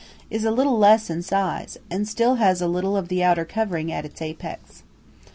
is little less in size, and still has a little of the outer covering at its apex.